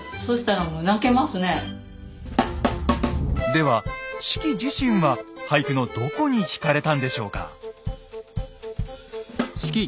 では子規自身は俳句のどこに惹かれたんでしょうか？